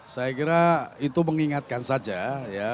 saya kira itu mengingatkan saja ya